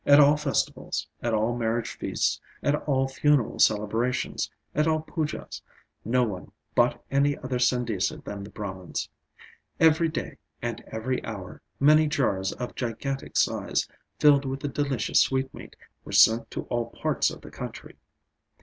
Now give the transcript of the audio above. At all festivals, at all marriage feasts, at all funeral celebrations, at all Pujas, no one bought any other sandesa than the Brahman's. Every day, and every hour, many jars of gigantic size, filled with the delicious sweetmeat, were sent to all parts of the country.